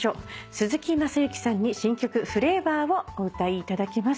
鈴木雅之さんに新曲『ｆｌａｖｏｒ』をお歌いいただきます。